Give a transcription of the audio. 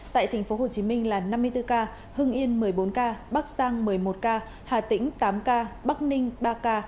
tại tp hcm là năm mươi bốn ca hưng yên một mươi bốn ca bắc giang một mươi một ca hà tĩnh tám ca bắc ninh ba ca